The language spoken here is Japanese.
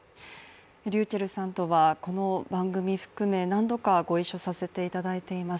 ｒｙｕｃｈｅｌｌさんとはこの番組含め何度かご一緒させていただいています。